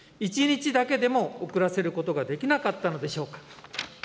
１日だけでも遅らせることができなかったのでしょうか。